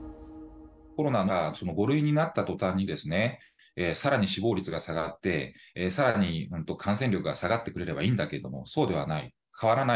コロナが５類になったとたんに、さらに死亡率が下がって、さらに感染力が下がってくれればいいんだけれども、そうではない、変わらない。